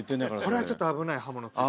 これはちょっと危ない刃物。